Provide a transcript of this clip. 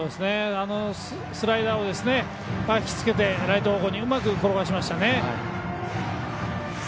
スライダーをたたきつけて、ライト方向にうまく転がしましたね。